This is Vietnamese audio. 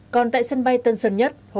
còn tại sân bay tân sơn nhất